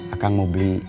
akang mau beli